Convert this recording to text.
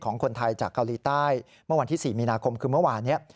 ของคนไทยจากเกาหลีใต้เมื่อวันที่๔มีนาคมคือเมื่อวานนี้